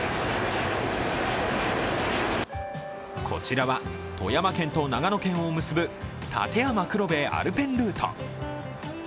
こちらは富山県と長野県を結ぶ立山黒部アルペンルート。